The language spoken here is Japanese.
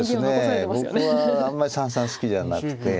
僕はあんまり三々好きじゃなくて。